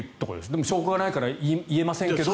でも証拠がないから言えませんけどという。